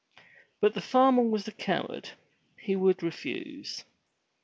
But the farmer was a coward; he would refuse.